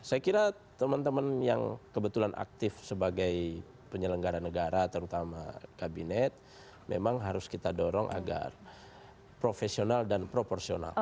saya kira teman teman yang kebetulan aktif sebagai penyelenggara negara terutama kabinet memang harus kita dorong agar profesional dan proporsional